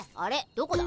どこだ？